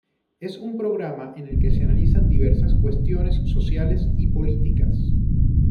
Es un programa en el que se analizan diversas cuestiones sociales y políticas.